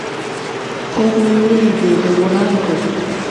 خوب مې ولیدی د وړانګو